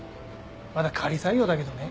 まだ仮採用だけどね。